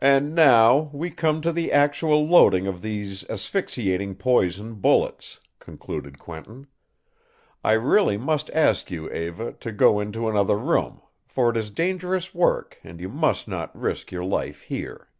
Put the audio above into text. "And now we come to the actual loading of these asphyxiating poison bullets," concluded Quentin. "I really must ask you, Eva, to go into another room, for it is dangerous work and you must not risk your life here."